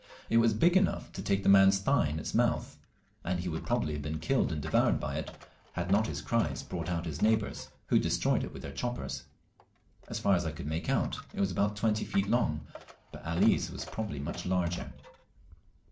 It was big enough to take the man's thigh in its mouth, and he would probably have been killed and devoured by it had not his cries brought out his neighbours, who destroyed it with their choppers. As far as I could make out it was about twenty feet long, but Ali's was probably much larger.